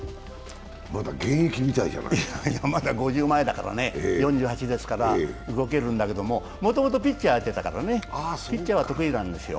まだ５０前ですからね、４８ですから動けるんだけれども、もともとピッチャーをやってたからね、ピッチャーは得意なんですよ